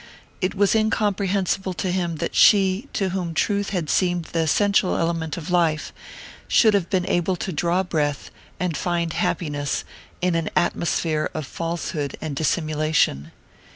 It was incomprehensible to him that she, to whom truth had seemed the essential element of life, should have been able to draw breath, and find happiness, in an atmosphere of falsehood and dissimulation.